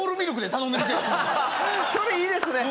それいいですね。